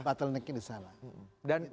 bottlenecknya di sana